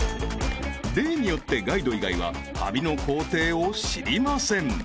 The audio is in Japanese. ［例によってガイド以外は旅の行程を知りません］